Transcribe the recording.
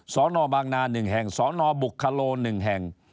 สนบางนา๑แห่งสนบุคโล๑แห่ง